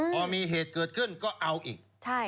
พอมีเหตุเกิดขึ้นก็เอาอีก